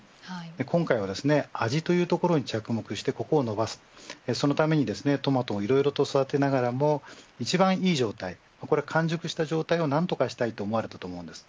今回は味というところに着目してここを伸ばすそのためにトマトをいろいろと育てながら一番いい状態完熟した状態を何とかしたいと思われたと思います。